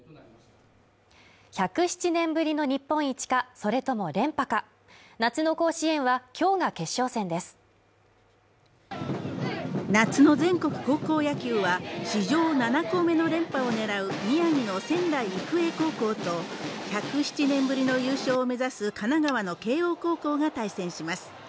１０７年ぶりの日本一かそれとも連覇か夏の甲子園は今日が決勝戦です夏の全国高校野球は史上７校目の連覇を狙う宮城の仙台育英高校と１０７年ぶりの優勝を目指す神奈川の慶応高校が対戦します